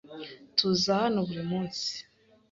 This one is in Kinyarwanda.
Tuza hano buri munsi.